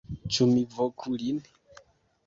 Ĉu mi voku lin?